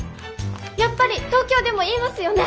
やっぱり東京でも言いますよね。